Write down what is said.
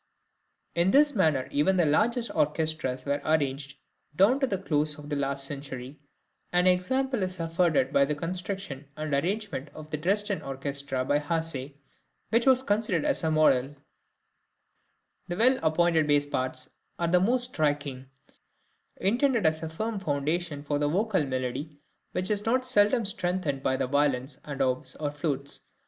In this manner even the largest orchestras were arranged down to the close of the last century; an example is afforded by the construction and arrangement of the Dresden orchestra by Hasse, which was considered as a model. [See Page Image] {THE ORCHESTRA INSTRUMENTALISTS.} (167) The well appointed bass parts are the most striking, intended as a firm foundation for the vocal melody, which is not seldom strengthened by the violins and oboes or flutes.